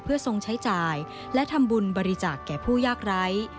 ทรงใช้จ่ายและทำบุญบริจาคแก่ผู้ยากไร้